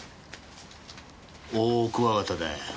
オオクワガタだよ。